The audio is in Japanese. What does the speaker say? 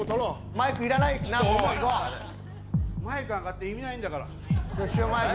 マイクなんて意味ないんだから。